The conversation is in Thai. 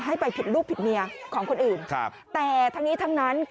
ให้ไปผิดลูกผิดเมียของคนอื่นแต่จบทั้งนี้นั้น